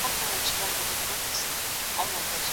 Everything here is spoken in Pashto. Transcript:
هغه لا دمخه خپل زکات ورکړی و.